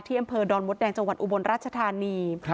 อำเภอดอนมดแดงจังหวัดอุบลราชธานี